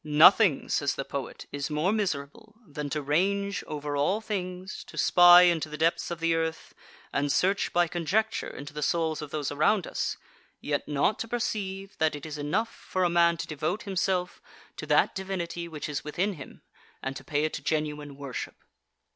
13. Nothing, says the poet, is more miserable than to range over all things, to spy into the depths of the earth, and search, by conjecture, into the souls of those around us, yet not to perceive that it is enough for a man to devote himself to that divinity which is within him, and to pay it genuine worship.